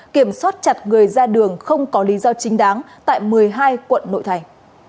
cảnh sát trật người ra đường không có lý do chính đáng tại một mươi hai quận nội thành